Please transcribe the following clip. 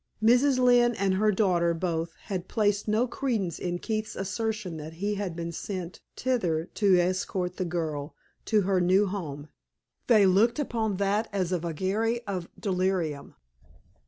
Mrs. Lynne and her daughter both had placed no credence in Keith's assertion that he had been sent thither to escort the girl to her new home. They looked upon that as a vagary of delirium.